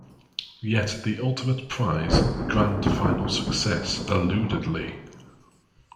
Yet the ultimate prize, Grand Final success, eluded Leigh.